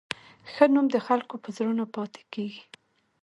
ښه نوم د خلکو په زړونو پاتې کېږي.